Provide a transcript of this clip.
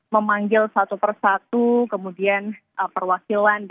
memanggil satu persatu kemudian perwakilan